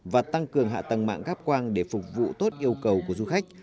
và tăng cường hạ tầng mạng gáp quang để phục vụ tốt yêu cầu của du khách